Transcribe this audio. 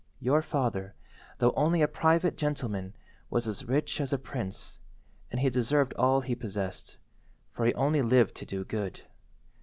Your father, though only a private gentleman, was as rich as a prince, and he deserved all he possessed, for he only lived to do good.